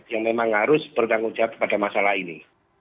yang memang harus berdangun jahat pada masalah ini